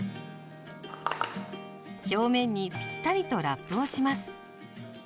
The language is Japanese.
表面にピッタリとラップをします。